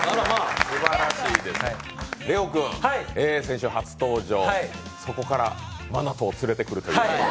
ＬＥＯ君、先週初登場、そこからＭＡＮＡＴＯを連れてくるという。